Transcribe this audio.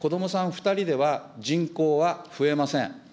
２人では人口は増えません。